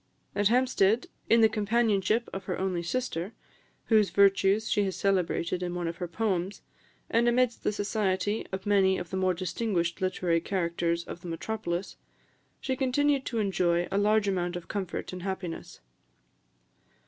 At Hampstead, in the companionship of her only sister, whose virtues she has celebrated in one of her poems, and amidst the society of many of the more distinguished literary characters of the metropolis, she continued to enjoy a large amount of comfort and happiness.